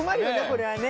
これはね。